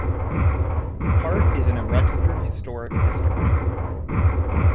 Part is in a Registered historic District.